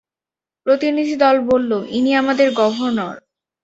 প্রতিনিধিদল বলল, ইনি আমাদের গভর্নর।